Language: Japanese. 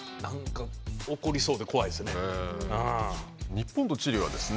日本とチリはですね